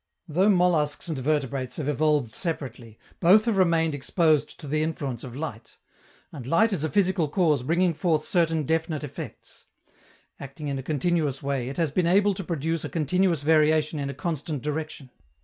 Though molluscs and vertebrates have evolved separately, both have remained exposed to the influence of light. And light is a physical cause bringing forth certain definite effects. Acting in a continuous way, it has been able to produce a continuous variation in a constant direction.